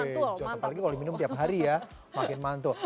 woy jauh apalagi kalau diminum tiap hari ya makin mantul